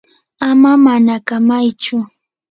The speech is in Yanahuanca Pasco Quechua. ama manakamaychu.